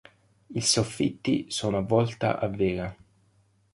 Il soffitti sono a volta a vela.